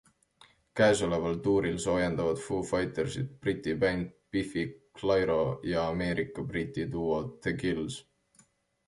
Käesoleval tuuril soojendavad Foo Fightersit Briti bänd Biffy Clyro ja Ameerika-Briti duo The Kills.